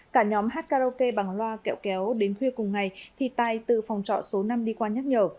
cả nhóm hát karaoke bằng loa kẹo kéo đến khuya cùng ngày thì tài từ phòng trọ số năm đi qua nhắc nhở